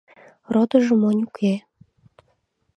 Родыжо монь уке.